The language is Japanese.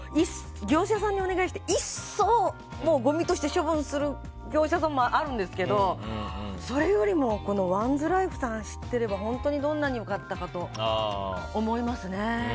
業者さんにお願いして一掃、ごみとして処分する業者さんもあるんですけどそれよりも、ワンズライフさんを知っていれば本当にどんなに良かったかと思いますね。